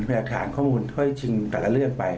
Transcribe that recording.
หลักฐานข้อมูลค่อยจริงแต่ละเรื่องไป